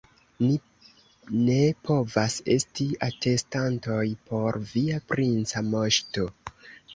Ni ne povas esti atestantoj por via princa moŝto.